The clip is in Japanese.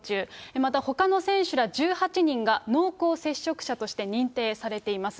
またほかの選手ら１８人が濃厚接触者として認定されています。